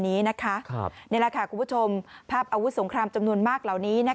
นี่แหละค่ะคุณผู้ชมภาพอาวุธสงครามจำนวนมากเหล่านี้